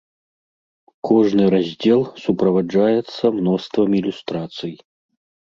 Кожны раздзел суправаджаецца мноствам ілюстрацый.